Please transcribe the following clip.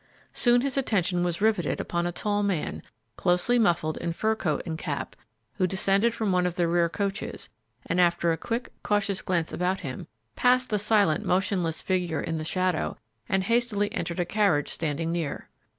Soon his attention was riveted upon a tall man, closely muffled in fur coat and cap, who descended from one of the rear coaches, and, after a quick, cautious glance about him, passed the silent, motionless figure in the shadow and hastily entered a carriage standing near.